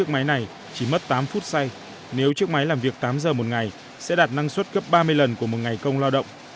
máy này chỉ mất tám phút xay nếu chiếc máy làm việc tám giờ một ngày sẽ đạt năng suất gấp ba mươi lần của một ngày công lao động